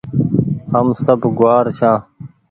هم سب گوآر ڇآن